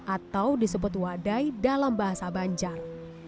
atau disebut wadai dalam bahasa banjar